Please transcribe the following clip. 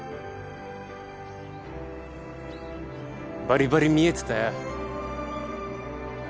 バリバリ見えてたよ。